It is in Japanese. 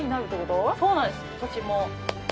土地も。